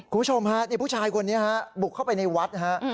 คุณผู้ชมฮะผู้ชายคนนี้ฮะบุกเข้าไปในวัดฮะ